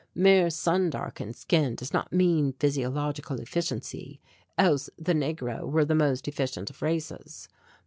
Mere sun darkened skin does not mean physiological efficiency, else the negro were the most efficient of races.